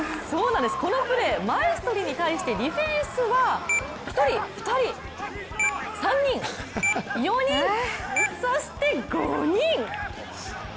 このプレー、マエストリに対してディフェンスは、１人、２人、３人、４人そして５人！